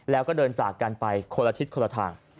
แล้วก็เดินจากกันไปคนละทิศคนละทาง